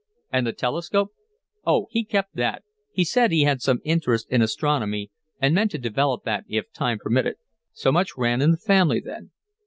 "And the telescope?" "Oh, he kept that. He said he had some interest in astronomy and meant to develop that if time permitted." "So much ran in the family, then."